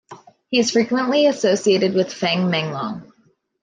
He is frequently associated with Feng Menglong.